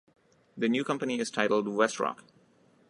The new company is titled WestRock.